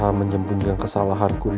ah buji banget deddy